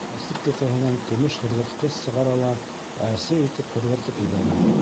Ҡарсыҡ кеҫәһенән көмөш һыҙғыртҡыс сығара ла әсе итеп һыҙғыртып ебәрә.